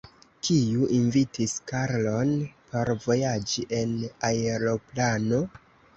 Kiu invitis Karlon por vojaĝi en aeroplano?